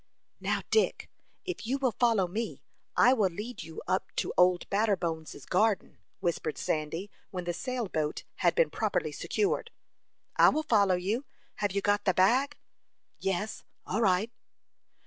"Now, Dick, if you will follow me, I will lead you up to Old Batterbones' garden," whispered Sandy, when the sail boat had been properly secured. "I will follow you. Have you got the bag?" "Yes all right."